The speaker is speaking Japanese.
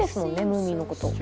ムーミンのこと。